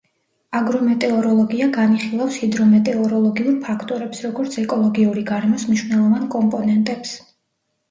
აგრომეტეოროლოგია განიხილავს ჰიდრომეტეოროლოგიურ ფაქტორებს, როგორც ეკოლოგიური გარემოს მნიშვნელოვან კომპონენტებს.